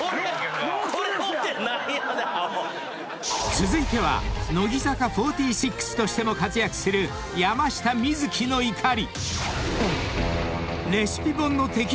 ［続いては「乃木坂４６」としても活躍する山下美月の怒り］